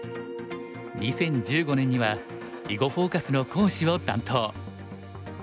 ２０１５年には「囲碁フォーカス」の講師を担当。